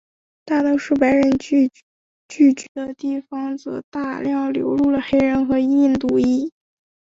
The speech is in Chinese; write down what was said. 而大多数白人聚居的地方则大量流入了黑人和印度裔。